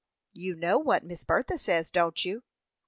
"You know what Miss Bertha says don't you?"